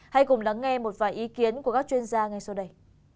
hãy cùng lắng nghe một vài ý kiến của các chuyên gia ngay sau đây